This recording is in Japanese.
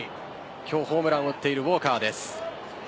今日ホームランを打っているウォーカーです。